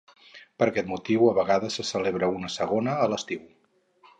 per aquest motiu a vegades se celebra una segona a l'estiu